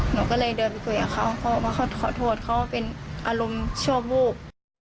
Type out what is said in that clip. หนูก็เลยเดินไปคุยกับเขาเขามาขอโทษเขาเป็นอารมณ์ชั่ววูบ